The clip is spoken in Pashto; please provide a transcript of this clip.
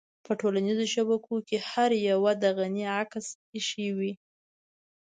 په ټولنيزو شبکو کې هر يوه د غني عکس اېښی وي.